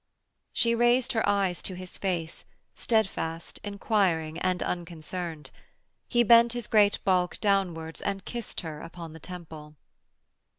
She raised her eyes to his face, steadfast, enquiring and unconcerned. He bent his great bulk downwards and kissed her upon the temple.